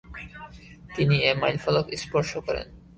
তিনি এ মাইলফলক স্পর্শ করেন।